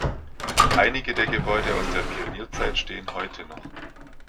Einige der Gebäude aus der Pionierzeit stehen heute noch.